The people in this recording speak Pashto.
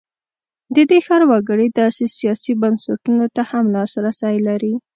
د دې ښار وګړي داسې سیاسي بنسټونو ته هم لاسرسی لري.